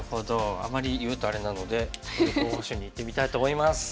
あまり言うとあれなのでここで候補手にいってみたいと思います。